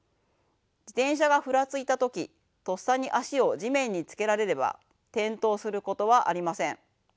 自転車がふらついた時とっさに足を地面に着けられれば転倒することはありません。